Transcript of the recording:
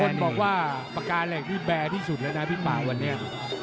คนบอกว่าปากกาเหล็กนี่แบร์ที่สุดแล้วนะพี่ป่าวันนี้